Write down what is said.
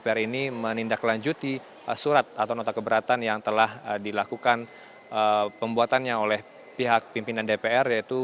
pembatalan terhadap pengiriman surat atau nota keberatan dari dpr ke presiden terkait dengan pimpinan dpr